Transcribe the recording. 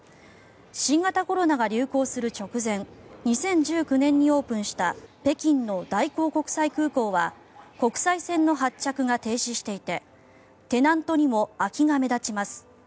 新型コロナが流行する直前２０１９年にオープンした北京の大興国際空港は国際線の発着が停止していてテナントにも空きが目立ちます。